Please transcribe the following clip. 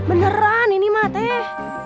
beneran ini mah teh